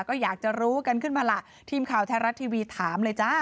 ก็อยากจะรู้กันขึ้นมาล่ะทีมข่าวไทยรัฐทีวีถามเลยจ้า